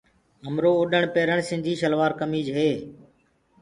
هميرو اوڏڻ پيرڻ سنڌي سلوآر ڪمج هي۔